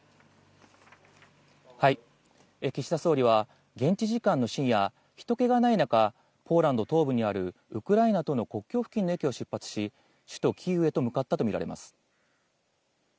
岸田総理は現地時間の深夜、人けがない中、ポーランド東部にある、ウクライナとの国境付近の駅を出発し、首都キーウへと向かったとみられます。